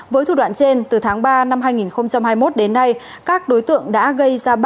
với thủ đoạn trên từ tháng ba năm hai nghìn hai mươi một đến nay các đối tượng đã gây ra